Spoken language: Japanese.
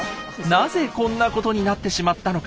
なぜこんなことになってしまったのか。